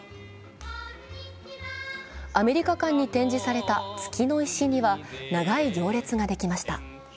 アメリカ館に展示された月の石には長い行列ができました。